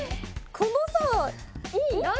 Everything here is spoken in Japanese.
このさ「い」何？